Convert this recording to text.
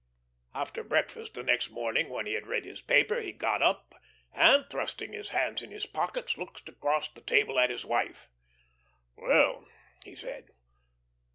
After breakfast the next morning, when he had read his paper, he got up, and, thrusting his hands in his pockets, looked across the table at his wife. "Well," he said.